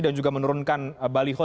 dan juga menurunkan balikho